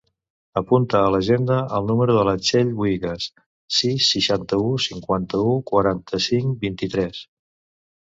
Apunta a l'agenda el número de la Txell Buigues: sis, setanta-u, cinquanta-u, quaranta-cinc, vint-i-tres.